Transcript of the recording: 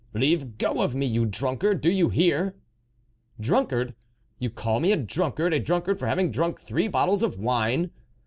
" Leave go of me, you drunkard, do you hear !"" Drunkard ! you call me a drunkard, a drunkard for having drunk three bottles of wine